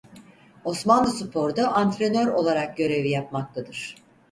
Osmanlıspor'da antrenör olarak görev yapmaktadır.